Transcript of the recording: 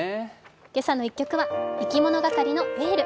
「けさの１曲」はいきものがかりの「ＹＥＬＬ」。